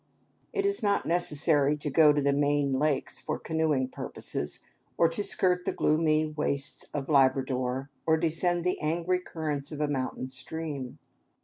It is not necessary to go to the Maine lakes for canoeing purposes; or to skirt the gloomy wastes of Labrador, or descend the angry current of a mountain stream.